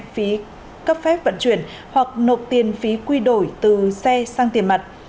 phí cấp phép vận chuyển hoặc nộp tiền phí quy đổi từ xe sang tiền mặt